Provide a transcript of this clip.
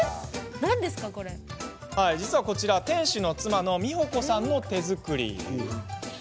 実はこちら、店主の妻三保子さんの手作りです。